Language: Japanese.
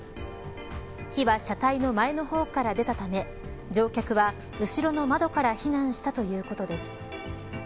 火は車体の前の方から出たため乗客は後ろの窓から避難したということです。